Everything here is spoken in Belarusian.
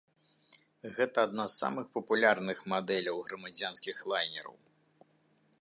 Гэта адна з самых папулярных мадэляў грамадзянскіх лайнераў.